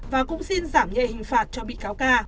và cũng xin giảm nhẹ hình phạt cho bị cáo ca